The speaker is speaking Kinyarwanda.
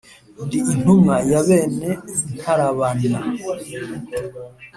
ndi intumwa ya bene ntarabana